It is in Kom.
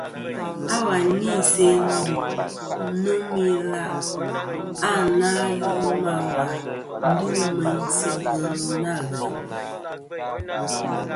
À, wa n-se ndu nô mɨ ilaʼ a nà ghɨ ma wà ndu meyn sɨ ghelɨ nâ ghèyn.